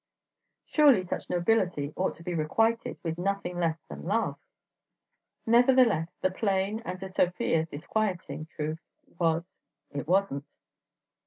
Surely such nobility ought to be requited with nothing less than love! Nevertheless, the plain, and to Sofia disquieting, truth was: it wasn't.